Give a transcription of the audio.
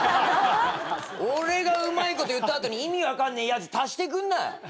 俺がうまいこと言った後に意味分かんねえやじ足してくんな！